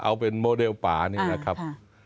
เอาเป็นโมเดลป่านี่แหละครับ